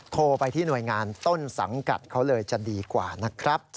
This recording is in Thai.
โทรไปที่หน่วยงานต้นสังกัดเขาเลยจะดีกว่านะครับ